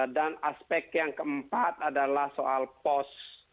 dan aspek yang keempat adalah soal pos